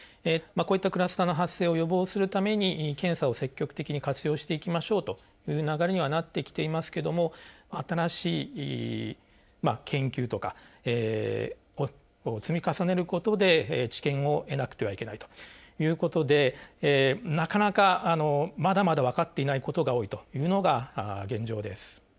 クラスターの発生を予防するために、検査を積極的に活用していきましょうという流れにはなってきていますけども新しい研究とかを積み重ねることで知見を得なくてはいけないということでなかなか、まだまだ分かっていないことが多いというのが現状です。